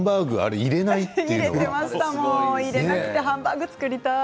入れないでハンバーグ作りたい。